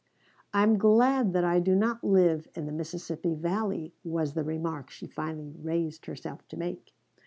"I am glad that I do not live in the Mississippi Valley," was the remark she finally raised herself to make.